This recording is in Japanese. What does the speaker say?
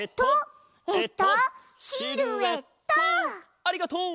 ありがとう！